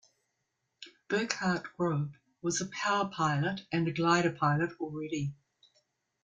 Burkhart Grob was a power pilot and a glider pilot already.